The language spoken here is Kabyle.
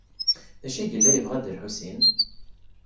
D acu ay yella yebɣa Dda Lḥusin?